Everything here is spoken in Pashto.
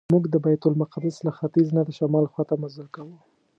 موږ د بیت المقدس له ختیځ نه د شمال خواته مزل کاوه.